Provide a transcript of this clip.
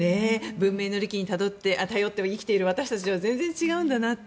文明の利器に頼って生きている私たちとは全然違うんだなって。